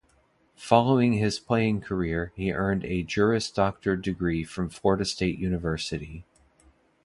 Following his playing career, he earned a Juris Doctor degree from Florida State University.